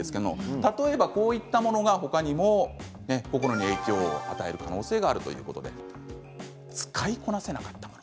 例えば、こういったものが他にも心に影響を与える可能性があるということで使いこなせなかったもの